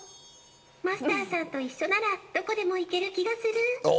マスターさんと一緒なら、どこでも行ける気がする。